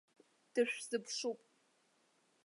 Дышәзыԥшуп!